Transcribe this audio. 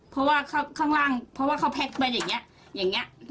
เพราะว่าเขาแพ็กไปอย่างนี้